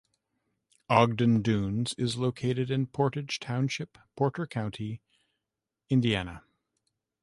Ogden Dunes is located in Portage Township, Porter County, Indiana.